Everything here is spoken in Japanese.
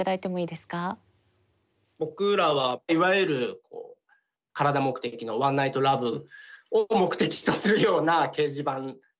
僕らはいわゆる体目的のワンナイトラブを目的とするような掲示板で出会いました。